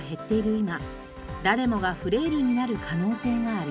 今誰もがフレイルになる可能性があります。